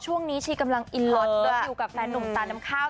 ช่วงนี้ชีกำลังอินลอดก็อยู่กับแฟนหนุ่มตาน้ำข้าว